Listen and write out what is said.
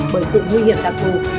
bởi sự nguy hiểm đặc vụ